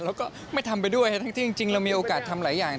แล้วก็ไม่ทำไปด้วยทั้งที่จริงเรามีโอกาสทำหลายอย่าง